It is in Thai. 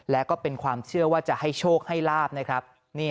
และก็เป็นความเชื่อว่าจะให้โชคให้ลาบนะครับ